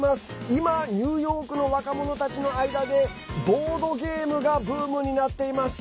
今、ニューヨークの若者たちの間でボードゲームがブームになっています。